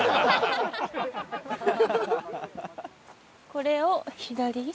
これを左？